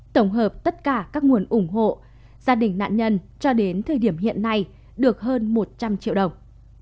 tổng hợp tất cả các nguồn ủng hộ gia đình nạn nhân cho đến thời điểm hiện nay được hơn một trăm linh triệu đồng